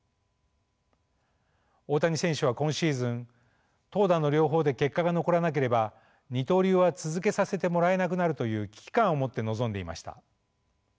大谷選手は今シーズン投打の両方で結果が残らなければ二刀流は続けさせてもらえなくなるという危機感を持って臨んでいました。